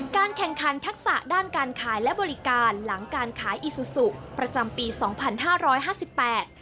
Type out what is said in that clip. การแข่งขันทักษะด้านการขายและบริการหลังการขายอีซูซูประจำปีสองพันห้าร้อยห้าสิบแปด